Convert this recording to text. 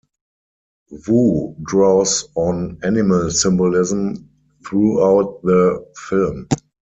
Woo draws on animal symbolism throughout the film.